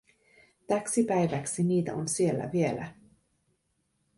Täksi päiväksi niitä on siellä vielä.